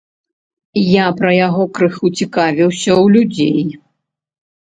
Я пра яго крыху цікавіўся ў людзей.